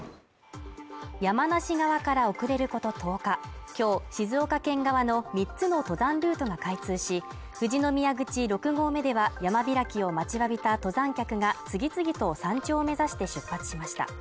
山梨側から遅れること１０日今日静岡県側の三つの登山ルートが開通し、富士宮口６合目では山開きを待ちわびた登山客が次々と山頂を目指して出発しました。